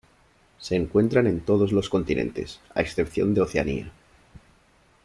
Se encuentran en todos los continentes, a excepción de Oceanía.